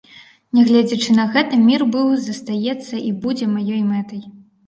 Нягледзячы на гэта, мір быў, застаецца і будзе маёй мэтай.